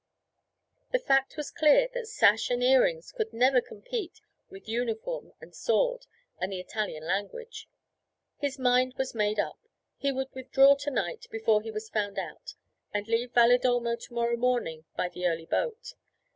The fact was clear that sash and earrings could never compete with uniform and sword and the Italian language. His mind was made up; he would withdraw to night before he was found out, and leave Valedolmo to morrow morning by the early boat.